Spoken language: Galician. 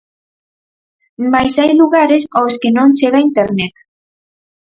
Mais hai lugares aos que non chega internet.